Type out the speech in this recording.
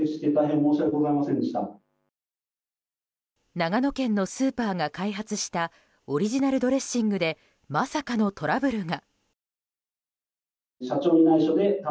長野県のスーパーが開発したオリジナルドレッシングでまさかのトラブルが。